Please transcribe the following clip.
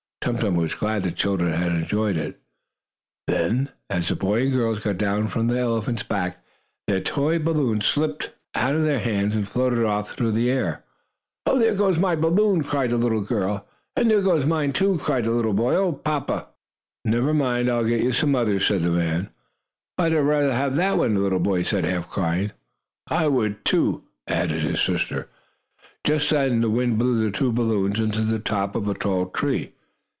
Tum Tum was glad the children had enjoyed it. Then, as the boy and girl got down from the elephant's back, their toy balloons slipped out of their hands and floated off through the air. "Oh, there goes my balloon!" cried the little girl. "And there goes mine, too!" cried the little boy. "Oh, papa!" "Never mind, I'll get you some others," said the man. "But I'd rather have that one," the little boy said, half crying. "I would, too," added his sister. Just then the wind blew the two balloons into the top of a tall tree.